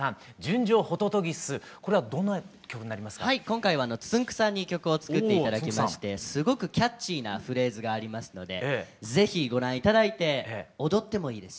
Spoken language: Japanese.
今回はつんく♂さんに曲を作って頂きましてすごくキャッチーなフレーズがありますのでぜひご覧頂いて踊ってもいいですし。